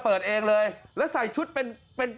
พี่เต้นใช่ไหม